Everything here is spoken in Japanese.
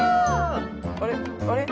あれ？